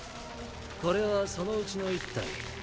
これはそのうちの１体。